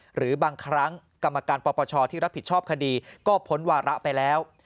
หรือบางครั้งกรรมการปปชที่รับผิดชอบคดีก็พ้นวาระไปแล้ว